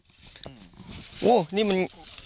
โหนี่มัน